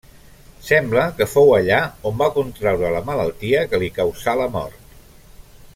Sembla que fou allà on va contraure la malaltia que li causà la mort.